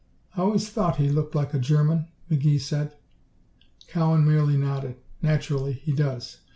"I always thought he looked like a German," McGee said. Cowan merely nodded. "Naturally, he does.